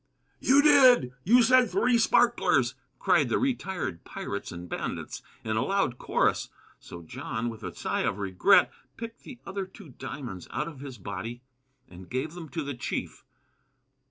"You did! You said three sparklers!" cried the retired pirates and bandits, in a loud chorus. So John, with a sigh of regret, picked the other two diamonds out of his body and gave them to the chief.